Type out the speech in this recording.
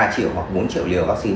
ba triệu hoặc bốn triệu liều vaccine